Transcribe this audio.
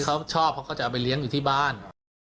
เขาใช้ไปเลี้ยงอยู่ที่บ้าน